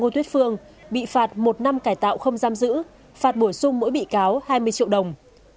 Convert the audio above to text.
ngô tuyết phương bị phạt một năm cải tạo không giam giữ phạt bổ sung mỗi bị cáo hai mươi triệu đồng